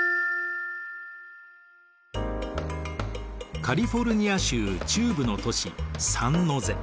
カリフォルニア州中部の都市サンノゼ。